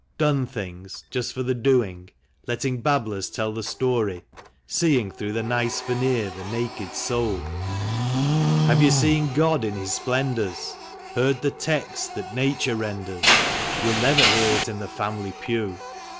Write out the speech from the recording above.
21 "Done things " just for the doing, letting babblers tell the story, Seeing through the nice veneer the naked soul ? Have you seen God in Ills splendors, heard the text that nature renders? (You'll never hear it in the family pew.)